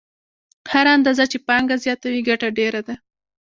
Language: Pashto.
هره اندازه چې پانګه زیاته وي ګټه ډېره ده